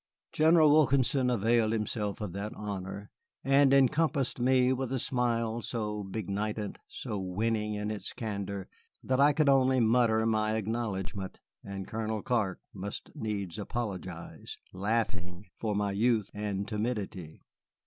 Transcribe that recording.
General Wilkinson availed himself of that honor, and encompassed me with a smile so benignant, so winning in its candor, that I could only mutter my acknowledgment, and Colonel Clark must needs apologize, laughing, for my youth and timidity.